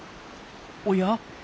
おや？